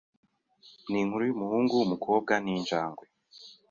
Ninkuru yumuhungu, umukobwa, ninjangwe.